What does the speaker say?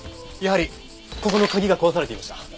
やはりここの鍵が壊されていました。